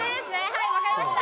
はいわかりました。